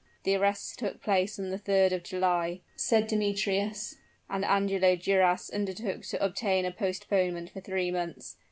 "The arrests took place on the 3d of July," said Demetrius; "and Angelo Duras undertook to obtain a postponement for three months.